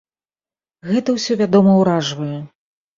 Гэта ўсё, вядома, уражвае.